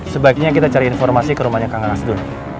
sebaiknya kita cari informasi ke rumahnya kang asdun